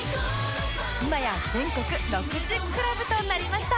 今や全国６０クラブとなりました